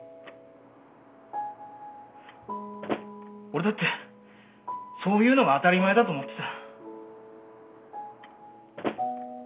俺だってそういうのが当たり前だと思ってた。